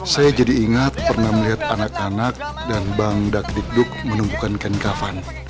saya jadi ingat pernah melihat anak anak dan bang dakdikduk menumbuhkan kain kafan